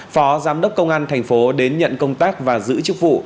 phó giám đốc công an thành phố đến nhận công tác và giữ chức vụ